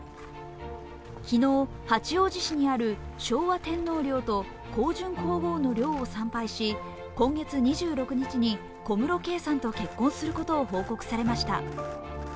昨日、八王子市にある昭和天皇陵と香淳皇后の陵を参拝し、今月２６日に小室圭さんと結婚することを報告されました。